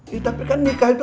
ya tapi kan nikah itu